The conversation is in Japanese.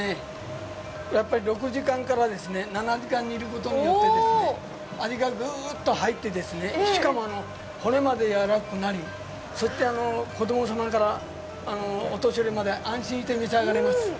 ６時間から７時間煮ることによって味がぐーっと入って、しかも骨まで軟らかくなり、子供様からお年寄りまで安心して召し上がれます。